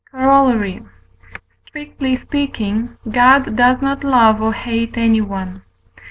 Corollary. Strictly speaking, God does not love or hate anyone.